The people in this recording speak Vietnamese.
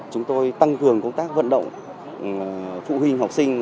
chúng tôi tăng cường công tác vận động phụ huynh học sinh